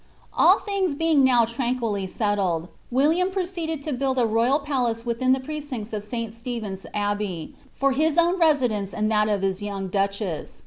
* All tilings being now tranquilly settled, William proceeded lo build a P royal palace within the precincts of Sl. Stephen's abbey, for his own nsi r dmctt and that of his young duchess.